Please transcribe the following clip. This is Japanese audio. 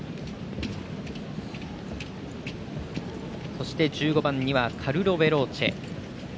そして１５番カルロヴェローチェ。